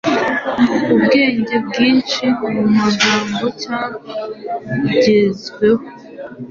Ubwenge bwinshi mumagambo cyagezweho